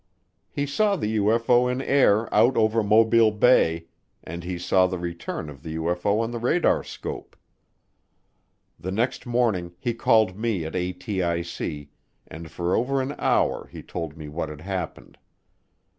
He saw the UFO in air out over Mobile Bay and he saw the return of the UFO on the radarscope. The next morning he called me at ATIC and for over an hour he told me what had happened.